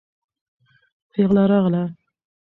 پېغله راغله.